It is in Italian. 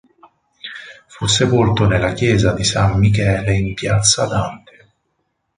Fu sepolto nella chiesa di San Michele in piazza Dante.